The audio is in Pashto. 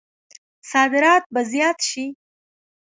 صادرات به زیات شي؟